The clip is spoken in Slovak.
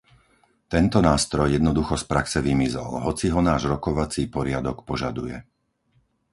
Tento nástroj jednoducho z praxe vymizol, hoci ho náš rokovací poriadok požaduje.